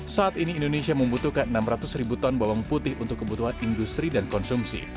saat ini indonesia membutuhkan enam ratus ribu ton bawang putih untuk kebutuhan industri dan konsumsi